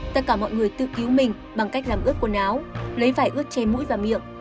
tất cả mọi người tự cứu mình bằng cách làm ướt quần áo lấy vải ướt tre mũi và miệng